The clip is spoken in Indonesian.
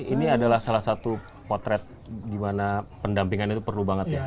ini adalah salah satu potret di mana pendampingannya perlu banget ya